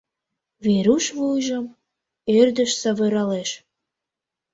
Веруш вуйжым ӧрдыш савыралеш.